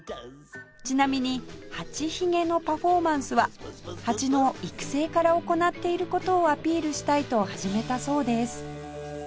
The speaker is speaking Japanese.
ちなみにはちひげのパフォーマンスはハチの育成から行っている事をアピールしたいと始めたそうです